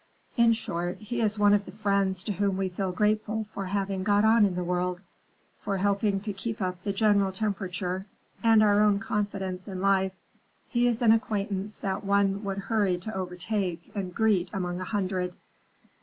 In short, he is one of the friends to whom we feel grateful for having got on in the world, for helping to keep up the general temperature and our own confidence in life. He is an acquaintance that one would hurry to overtake and greet among a hundred.